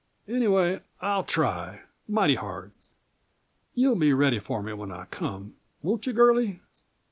Anyway, I'll try, mighty hard. You'll be ready for me when I come won't you, girlie?"